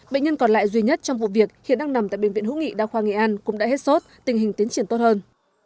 bệnh nhân còn lại duy nhất trong vụ việc hiện đang nằm tại bệnh viện hữu nghị đa khoa nghệ an cũng đã hết sốt tình hình tiến triển tốt hơn